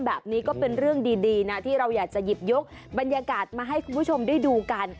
แบบนี้ก็เป็นเรื่องดีนะที่เราอยากจะหยิบยกบรรยากาศมาให้คุณผู้ชมได้ดูกัน